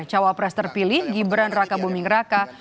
cawa pres terpilih gibran raka buming raka